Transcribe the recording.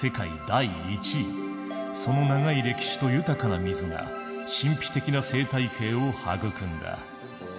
その長い歴史と豊かな水が神秘的な生態系を育んだ。